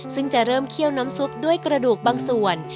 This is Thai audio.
ซึ่งจะเริ่มเคี่ยวน้ำซุปด้วยกระดูกบางส่วน